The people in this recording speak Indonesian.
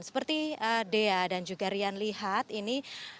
seperti dea dan juga rian lihat ini